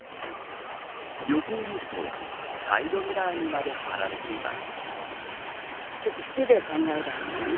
横を見るとサイドミラーにまで貼られています。